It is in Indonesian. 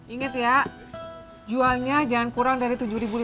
ingat ya jualnya jangan kurang dari rp tujuh lima ratus